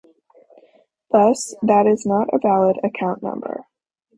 Thus that is not a valid account number.